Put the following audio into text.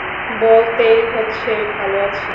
বলতেই হচ্ছে ভালো আছি।